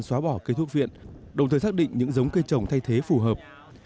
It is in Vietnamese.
xóa bỏ cây thuốc viện đồng thời xác định những giống cây trồng thay thế phù hợp